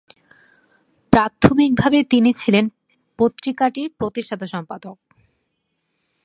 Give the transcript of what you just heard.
প্রাথমিকভাবে তিনি ছিলেন পত্রিকাটির প্রতিষ্ঠাতা সম্পাদক।